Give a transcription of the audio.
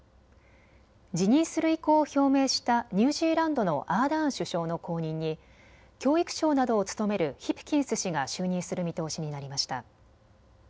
辞任する意向を表明したニュージーランドのアーダーン首相の後任に教育相などを務めるヒプキンス氏が就任する見通しになりました。